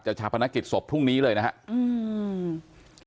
จะชาวภนักกิจศพพรุ่งนี้เลยนะฮะ